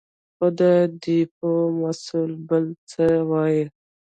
خو د ډېپو مسوول بل څه وايې.